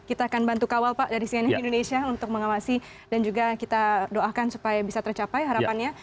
kita akan bantu kawal pak dari cnn indonesia untuk mengawasi dan juga kita doakan supaya bisa tercapai harapannya